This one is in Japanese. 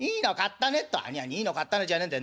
「兄やん『いいの買ったね』じゃねえんだよ。